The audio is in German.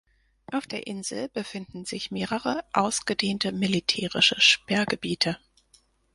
Auf der Insel befinden sich mehrere ausgedehnte militärische Sperrgebiete.